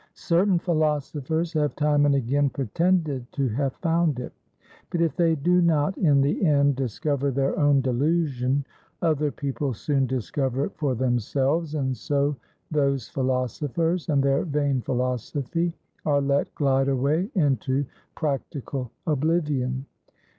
Certain philosophers have time and again pretended to have found it; but if they do not in the end discover their own delusion, other people soon discover it for themselves, and so those philosophers and their vain philosophy are let glide away into practical oblivion.